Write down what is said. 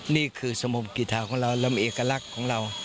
นี่คือสมมกีธาของเราเรามีเอกลักษณ์ของเรา